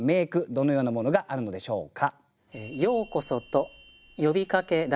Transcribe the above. どのようなものがあるのでしょうか？